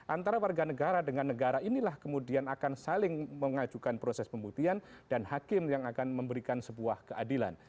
antara warga negara dengan negara inilah kemudian akan saling mengajukan proses pembuktian dan hakim yang akan memberikan sebuah keadilan